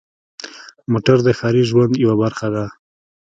موټر د ښاري ژوند یوه برخه ده.